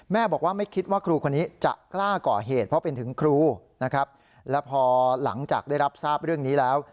บอกว่าไม่คิดว่าครูคนนี้จะกล้าก่อเหตุเพราะเป็นถึงครูนะครับแล้วพอหลังจากได้รับทราบเรื่องนี้แล้ว